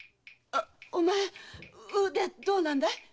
お前腕どうなんだい？